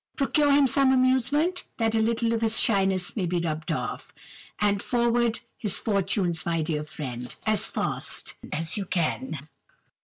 Procure him some amusement, that a little of his shyness may be rubbed off; and forward his fortunes, my dear friend, as far as you can